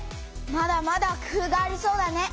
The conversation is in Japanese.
まだまだ工夫がありそうだね。